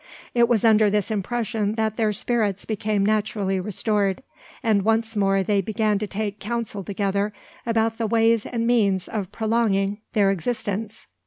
It was under this impression that their spirits became naturally restored; and once more they began to take counsel together about the ways and means of prolonging their existence.